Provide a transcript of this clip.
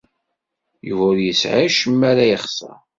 Yuba ur yesɛi acemma ara yexṣer.